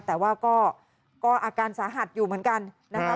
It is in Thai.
แต่ว่าก็อาการสาหัสอยู่เหมือนกันนะคะ